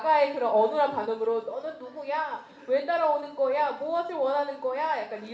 เมื่อรายเรียนทฤษค็ยกขนาดนี้